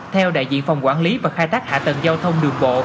theo đại diện phòng quản lý và khai tác hạ tầng giao thông đường bộ